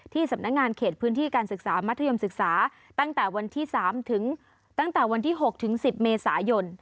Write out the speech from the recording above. ที่สำนักงานเขตพื้นที่การศึกษามัธยมศึกษาตั้งแต่วันที่๖ถึง๑๐เมษายน